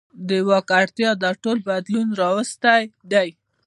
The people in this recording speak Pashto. د واک اړتیا دا ټول بدلون راوستی دی.